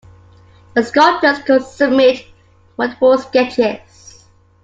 The sculptors could submit multiple sketches.